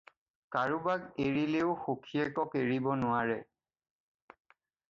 কাৰোবাক এৰিলেও সখীয়েকক এৰিব নোৱাৰে।